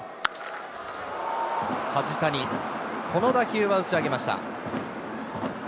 梶谷、この打球は打ち上げました。